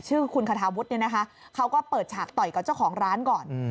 ชื่อคุณคาทาวุฒิเนี่ยนะคะเขาก็เปิดฉากต่อยกับเจ้าของร้านก่อน